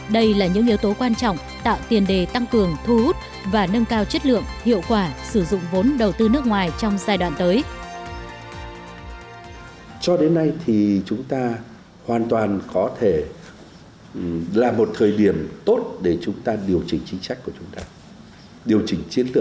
đây là những yếu tố quan trọng tạo tiền đề tăng cường thu hút và nâng cao chất lượng hiệu quả sử dụng vốn đầu tư nước ngoài trong giai đoạn tới